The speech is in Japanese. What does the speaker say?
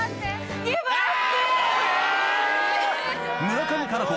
村上佳菜子